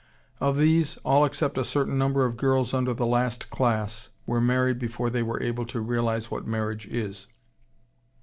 Of these, all except a certain number of girls under the last class were married before they were able to realize what marriage is.